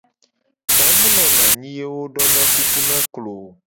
Ta mu nona anyi ye wo dona kuku na klo o.